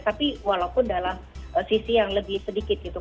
tapi walaupun dalam sisi yang lebih sedikit gitu